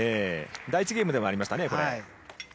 第１ゲームでもこれ、ありましたね。